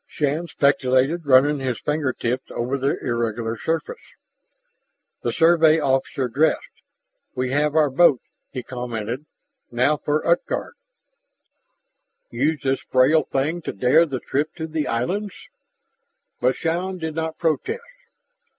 Shann speculated, running his finger tips over the irregular surface. The Survey officer dressed. "We have our boat," he commented. "Now for Utgard " Use this frail thing to dare the trip to the islands? But Shann did not protest.